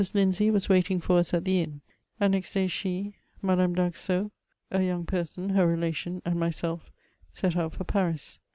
Lindsay was waitmg for us at the inn ; and next day she, Madame d*Aguesseau, a young person, her relation, and myself, set out for Paris.